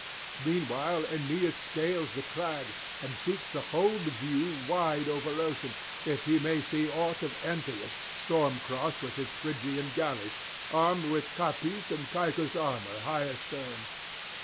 Meanwhile Aeneas scales the crag, and seeks the whole view wide over ocean, if he may see aught of Antheus storm tossed with his Phrygian galleys, aught of Capys or of Caïcus' armour high astern.